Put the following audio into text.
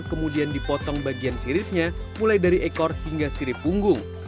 kemudian dipotong bagian siripnya mulai dari ekor hingga sirip punggung